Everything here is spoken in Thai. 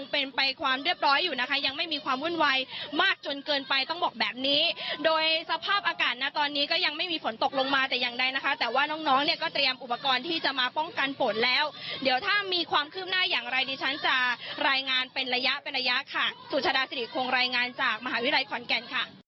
เป็นไปความเรียบร้อยอยู่นะคะยังไม่มีความวุ่นวายมากจนเกินไปต้องบอกแบบนี้โดยสภาพอากาศนะตอนนี้ก็ยังไม่มีฝนตกลงมาแต่อย่างใดนะคะแต่ว่าน้องน้องเนี่ยก็เตรียมอุปกรณ์ที่จะมาป้องกันฝนแล้วเดี๋ยวถ้ามีความคืบหน้าอย่างไรดิฉันจะรายงานเป็นระยะเป็นระยะค่ะสุชาดาสิริคงรายงานจากมหาวิทยาลัยขอนแก่นค่ะ